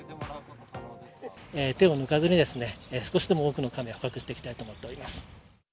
手を抜かずにですね、少しでも多くのカメを捕獲していきたいと思っております。